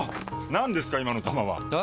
何ですか今の球は！え？